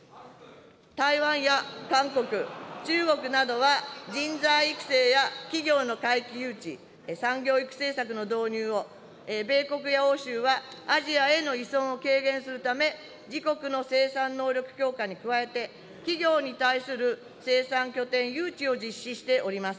台湾や韓国、中国などは、人材育成や企業の回帰誘致、産業育成策の導入を、米国や欧州はアジアへの依存を軽減するため、自国の生産能力強化に加えて、企業に対する生産拠点誘致を実施しております。